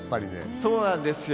そうなんですよ。